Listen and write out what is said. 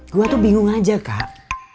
gue tuh bingung aja kak